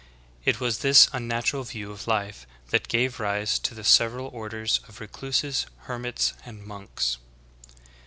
It was this unnatural view of life that gave rise to the sev eral orders of recluses, hermits, and monks.